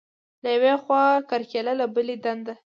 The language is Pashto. له یوې خوا کرکیله، له بلې دنده.